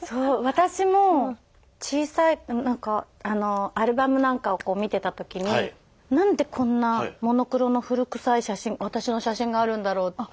私も小さい何かアルバムなんかをこう見てた時に何でこんなモノクロの古くさい写真私の写真があるんだろうって